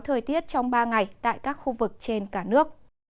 thời tiết trong ba ngày tại các khu vực trên cả nước